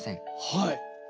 はい。